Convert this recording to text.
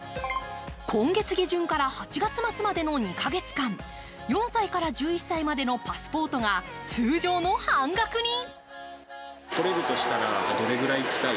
今月下旬から８月末までの２カ月間、４歳から１１歳までのパスポートが通常の半額に！